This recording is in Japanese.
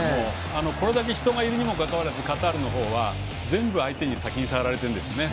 これだけ人がいるにもかかわらずカタールの方は全部相手に先に触られているんですね。